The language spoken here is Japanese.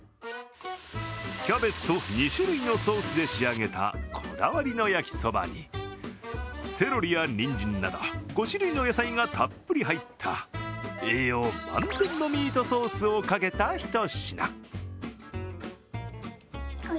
キャベツと２種類のソースで仕上げたこだわりの焼きそばに、セロリやにんじんなど、５種類の野菜がたっぷり入った栄養満点のミートソースをかけたひと品。